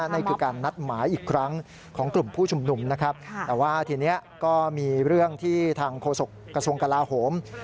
นี่คือการนัดหมายอีกครั้งของกลุ่มผู้ชุมนุม